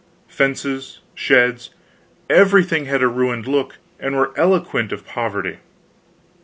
Fences, sheds, everything had a ruined look, and were eloquent of poverty.